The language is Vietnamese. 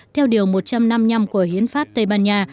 theo điều một trăm năm mươi năm của hiến pháp tây ban nha